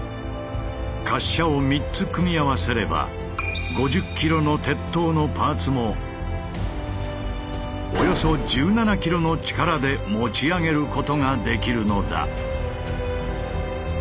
滑車を３つ組み合わせれば５０ｋｇの鉄塔のパーツもおよそ１７ｋｇの力で持ち上げることができるのだ。